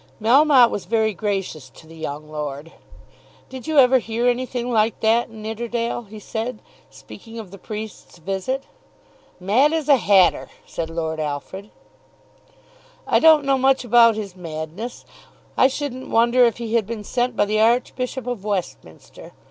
Melmotte was very gracious to the young lord. "Did you ever hear anything like that, Nidderdale?" he said, speaking of the priest's visit. "Mad as a hatter," said Lord Alfred. "I don't know much about his madness. I shouldn't wonder if he had been sent by the Archbishop of Westminster.